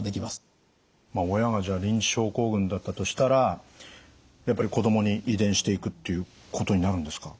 親がリンチ症候群だったとしたらやっぱり子供に遺伝していくっていうことになるんですか？